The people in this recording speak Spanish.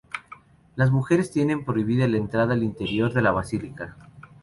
Las mujeres tienen prohibida la entrada al interior de la basílica.